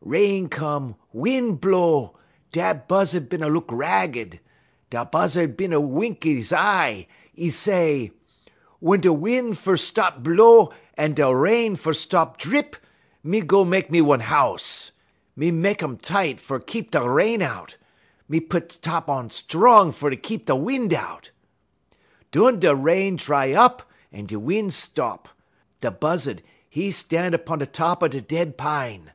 Rain come, win' blow, da Buzzud bin a look ragged. Da Buzzud bin a wink 'e y eye, 'e say: "'Wun da win' fer stop blow en da rain fer stop drip, me go mek me one house. Me mek um tight fer keep da rain out; me pit top on strong fer keep da win' out.' "Dun da rain dry up en da win' stop. Da Buzzud, 'e stan' 'pon top da dead pine.